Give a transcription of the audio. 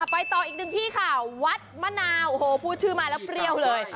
ไปต่ออีกหนึ่งที่ค่ะวัดมะนาวโอ้โหพูดชื่อมาแล้วเปรี้ยวเลย